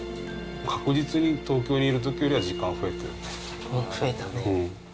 確実に東京にいるときよりは時間増えてる。